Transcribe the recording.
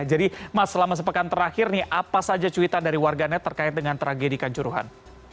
jadi mas selama sepekan terakhir nih apa saja cuitan dari warganet terkait dengan tragedikan juruhan